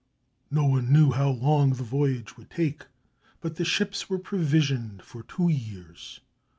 No one knew how long the voyage would take, but the ships were provisioned for two years.